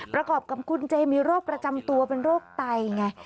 ประกอบกับคุณเจมีโรคประจำตัวเป็นโรคไตไง